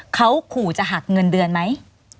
เขาขู่จะหักเงินเดือนไหม